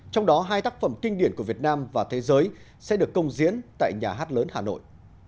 trong đó hai tác phẩm kinh điển của việt nam và thế giới sẽ được công diễn tại nhà hát lớn hà nội